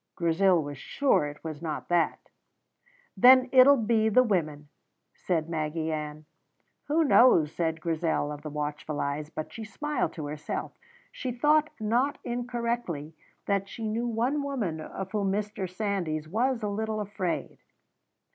Grizel was sure it was not that. "Then it'll be the women," said Maggy Ann. "Who knows!" said Grizel of the watchful eyes; but she smiled to herself. She thought not incorrectly that she knew one woman of whom Mr. Sandys was a little afraid.